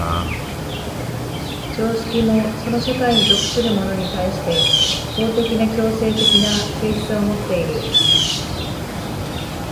常識もその社会に属する者に対して法的な強制的な性質をもっている。